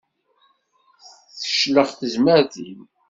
Teclex tezmert-im.